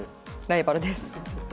ライバルです。